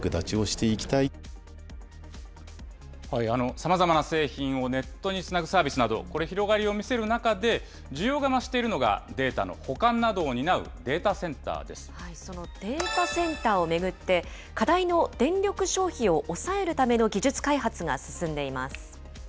さまざまな製品をネットにつなぐサービスなど、これ、広がりを見せる中で、需要が増しているのが、データの保管などを担うデータセンターでそのデータセンターを巡って、課題の電力消費を抑えるための技術開発が進んでいます。